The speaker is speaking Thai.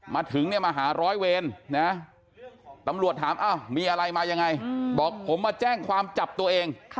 มาถึงเนี่ยมาหาร้อยเวรนะตำรวจถามมีอะไรมายังไงบอกผมมาแจ้งความจับตัวเอง